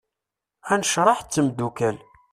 Anecraḥ d temddukal.